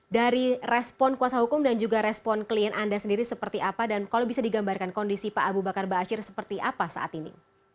dari respon kuasa hukum dan juga respon klien anda sendiri seperti apa dan kalau bisa digambarkan kondisi pak abu bakar ⁇ baasyir ⁇ seperti apa saat ini